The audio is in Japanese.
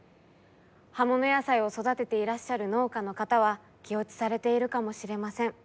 葉物野菜を育てていらっしゃる農家の方は気落ちされているかもしれません。